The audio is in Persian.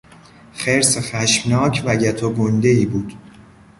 خرس خشمناک و گت و گندهای بود.